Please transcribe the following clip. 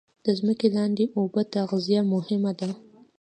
د ځمکې لاندې اوبو تغذیه مهمه ده